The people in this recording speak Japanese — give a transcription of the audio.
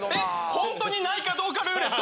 ホントにないかどうかルーレット。